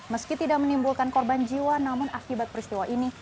meski tidak menimbulkan korban jiwa namun akibat peristiwa ini